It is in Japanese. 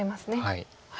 はい。